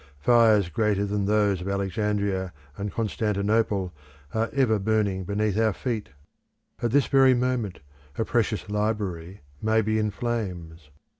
Fires greater than those of Alexandria and Constantinople are ever burning beneath our feet; at this very moment a precious library may be in flames.